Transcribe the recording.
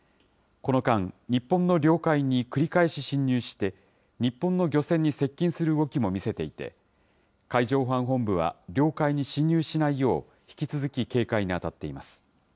この間、日本の領海に繰り返し侵入して、日本の漁船に接近する動きも見せていて、海上保安本部は領海に侵入しないよう、引き続き警戒に当たっています。